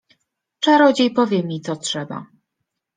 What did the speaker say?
— Czarodziej powie mi, co trzeba.